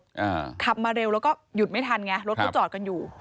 อ่าขับมาเร็วแล้วก็หยุดไม่ทันไงรถเขาจอดกันอยู่